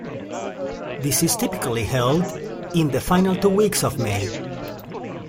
This is typically held in the final two weeks of May.